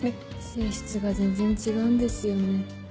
性質が全然違うんですよね。